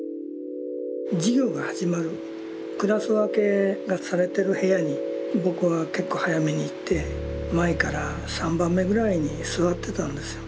授業が始まるクラス分けがされてる部屋に僕は結構早めに行って前から３番目ぐらいに座ってたんですよ。